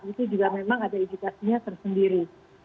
itu juga memang ada edukasinya tersendiri